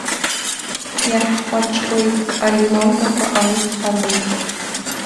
Иаҳхәаҽуеит, алимонкакәа аус дҳаруеит!